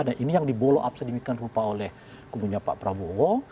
dan ini yang dibolo up sedemikian rupa oleh kubunya pak prabowo